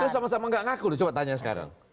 terus sama sama ga ngaku loh coba tanya sekarang